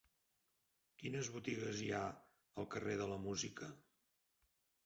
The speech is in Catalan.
Quines botigues hi ha al carrer de la Música?